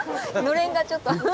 のれんがちょっと。